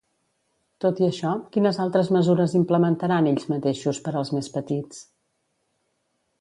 Tot i això, quines altres mesures implementaran ells mateixos per als més petits?